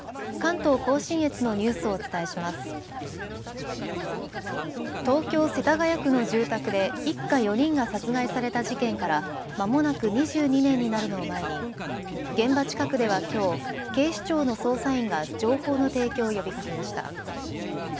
東京世田谷区の住宅で一家４人が殺害された事件からまもなく２２年になるのを前に現場近くではきょう、警視庁の捜査員が情報の提供を呼びかけました。